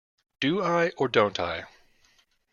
Do I, or don't I?